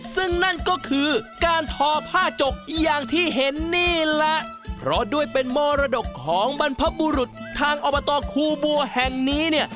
ซึ่งพระบุรุษทางออบตครูบัวแห่งนี้เนี่ย